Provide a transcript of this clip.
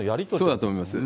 そうだと思います。